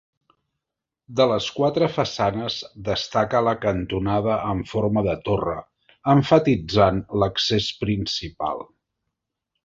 De les quatre façanes destaca la cantonada amb forma de torre, emfatitzant l'accés principal.